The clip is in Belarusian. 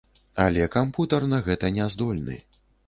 Але кампутар на гэта не здольны.